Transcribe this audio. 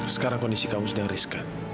sekarang kondisi kamu sedang risikan